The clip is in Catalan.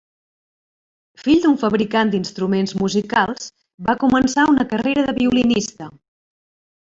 Fill d'un fabricant d'instruments musicals, va començar una carrera de violinista.